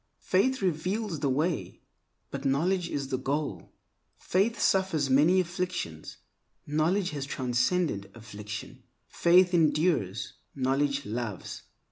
Faith reveals the way, but knowledge is the goal. Faith suffers many afflictions; knowledge has transcended affliction. Faith endures; knowledge loves.